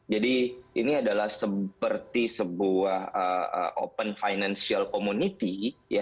jadi ini adalah seperti sebuah open financial community